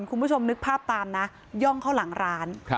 คุณผู้ชมนึกภาพตามนะย่องเข้าหลังร้าน